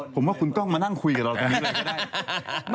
ผมว่าคุณกล้องมานั่งคุยกับเราตอนนี้เลยก็ได้